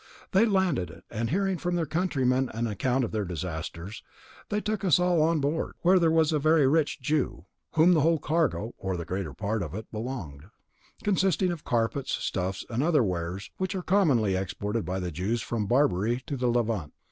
They landed, and hearing from their countrymen an account of their disasters, they took us all on board, where there was a very rich Jew, to whom the whole cargo, or the greater part of it, belonged, consisting of carpets, stuffs, and other wares, which are commonly exported by the Jews from Barbary to the Levant.